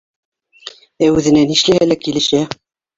Ә үҙенә нишләһә лә килешә.